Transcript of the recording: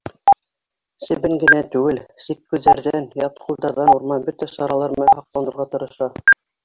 Себен генә түгел, сит күҙҙәрҙән, ят ҡулдарҙан урман бөтә саралар менән һаҡланырға тырыша.